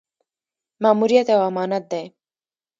ماموریت یو امانت دی